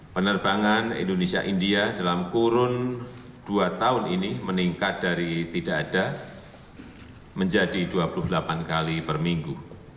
penerbangan indonesia india dalam kurun dua tahun ini meningkat dari tidak ada menjadi dua puluh delapan kali per minggu